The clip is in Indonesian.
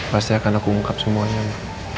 pasti akan aku ungkap semuanya mbak